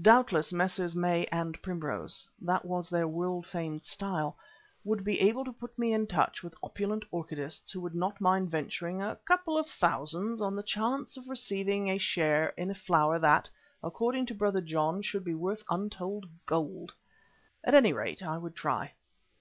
Doubtless Messrs. May and Primrose that was their world famed style would be able to put me in touch with opulent orchidists who would not mind venturing a couple of thousands on the chance of receiving a share in a flower that, according to Brother John, should be worth untold gold. At any rate, I would try.